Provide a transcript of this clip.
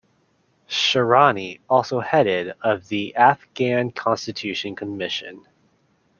Shahrani also headed of the Afghan Constitution Commission.